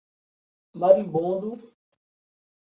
Maribondo